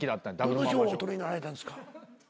どんな賞をお取りになられたんですか？